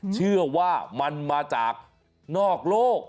เชื่อว่ามันมาจากนอกโลก